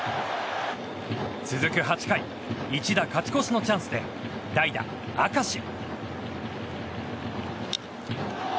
続く８回一打勝ち越しのチャンスで代打、明石。